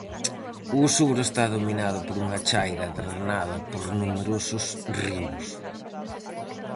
O sur está dominado por unha chaira drenada por numerosos ríos.